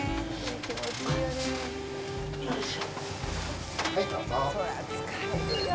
よいしょ。